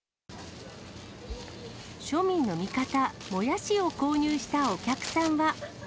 庶民の味方、モヤシを購入したお客さんは。